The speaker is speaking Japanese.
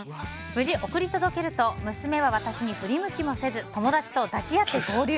無事、送り届けると娘は私に振り向きもせず友達と抱き合って合流。